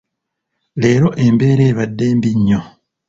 Leero embeera abadde mbi nnyo.